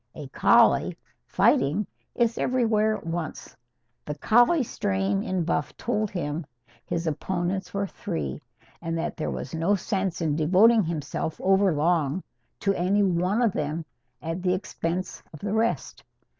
A collie, fighting, is everywhere at once. The collie strain in Buff told him his opponents were three, and that there was no sense in devoting himself over long to any one of them at the expense of the rest.